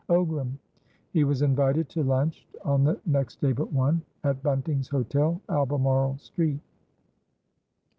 Ogram." He was invited to lunch, on the next day but one, at Bunting's Hotel, Albemarle Street.